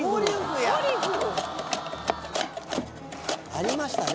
ありましたね